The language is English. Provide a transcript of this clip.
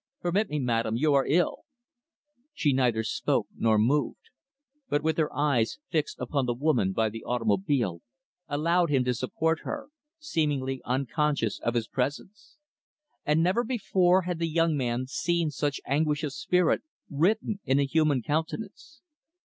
"Permit me, madam; you are ill." She neither spoke nor moved; but, with her eyes fixed upon the woman by the automobile, allowed him to support her seemingly unconscious of his presence. And never before had the young man seen such anguish of spirit written in a human countenance.